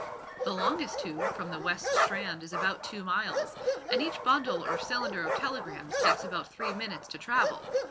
The longest tube, from the West Strand, is about two miles, and each bundle or cylinder of telegrams takes about three minutes to travel.